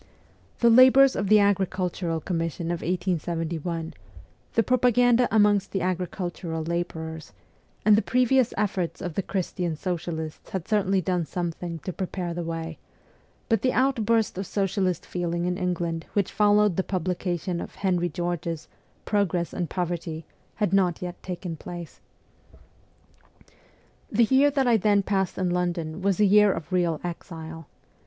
The labours of the agricultural commission of 1871, the propaganda amongst the agricultural labourers, and the previous efforts of the Christian socialists had certainly done something to prepare the way ; but the outburst of socialist feeling in England which followed the" publication of Henry George's ' Progress and Poverty ' had not yet taken place. The year that I then passed in London was a year of real exile.